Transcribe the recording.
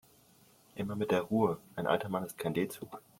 Immer mit der Ruhe, ein alter Mann ist kein D-Zug.